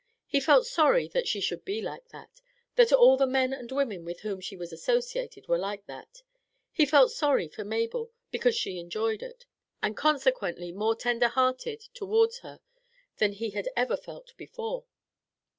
He felt sorry that she should be like that that all the men and women with whom she was associated were like that. He felt sorry for Mabel, because she enjoyed it, and consequently more tenderhearted towards her than he had ever felt before.